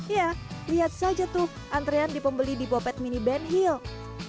ya lihat saja tuh antrean di pembeli di bopet mini ben hill